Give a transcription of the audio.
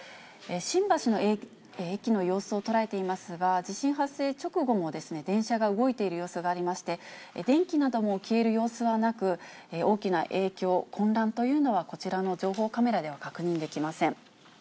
新橋の駅の様子を捉えていますが、地震発生直後も電車が動いている様子がありまして、電気なども消える様子はなく、大きな影響、混乱というのは、こちらの情報カメラでは確認できません。